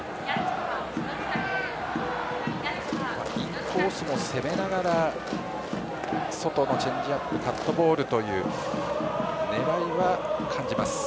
インコースを攻めながら外のチェンジアップカットボールというねらいは感じます。